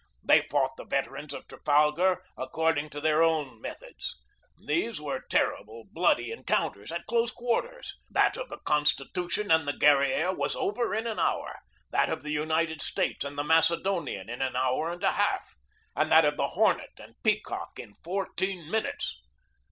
They fought the veterans of Trafalgar according to their own methods. These were ter rible, bloody encounters at close quarters. That of the Constitution and the Guerriere was over in an hour; that of the United States and the Macedonian in an hour and a half; and that of the Hornet and Peacock in fourteen minutes.